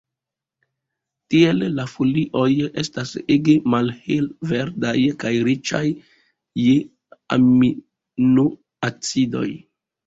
Tiel la folioj estas ege malhelverdaj kaj riĉaj je aminoacidoj.